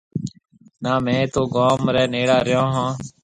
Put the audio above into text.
نا مهيَ تو گوم ريَ نيڙا رهيو هون۔